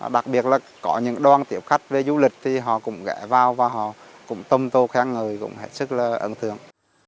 đặc biệt là có những đoàn tiếp khách về du lịch thì họ cũng ghé vào và họ cũng tâm tô khen người cũng hết sức là ấn tượng